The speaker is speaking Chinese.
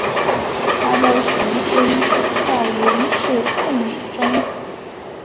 他的玄孙赵昀是宋理宗。